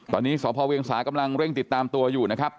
ตอนนี้สพเวงสาห์เร่งติดตามตัวอยู่นะครับ